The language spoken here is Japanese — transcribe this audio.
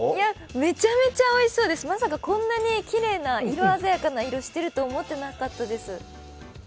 めちゃめちゃおいしそうです、まさかこんなにきれいな色鮮やかな色してると思ってなかったです。